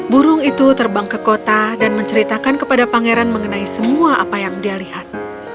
burung itu terbang ke kota dan menceritakan kepada pangeran mengenai semua apa yang dia lihat